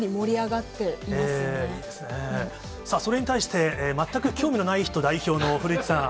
なので、それに対して、全く興味のない人代表の古市さん。